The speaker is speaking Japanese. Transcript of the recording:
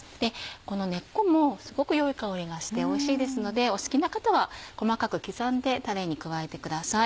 この根っこもすごく良い香りがしておいしいですのでお好きな方は細かく刻んでタレに加えてください。